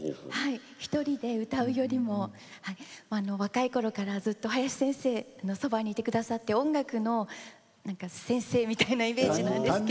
ぴったりで歌うよりも若いころからずっと林先生がそばにいてくださって音楽の先生のイメージです。